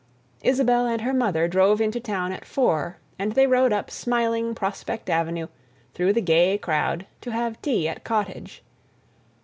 Isabelle and her mother drove into town at four, and they rode up smiling Prospect Avenue, through the gay crowd, to have tea at Cottage.